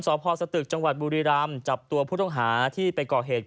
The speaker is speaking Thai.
สพสตึกจังหวัดบุรีรำจับตัวผู้ต้องหาที่ไปก่อเหตุ